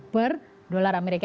per dolar amerika